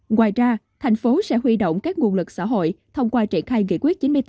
ngoài ra thành phố sẽ huy động các nguồn lực xã hội thông qua triển khai nghị quyết chín mươi tám